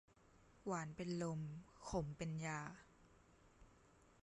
หวานเป็นลม ขมเป็นยา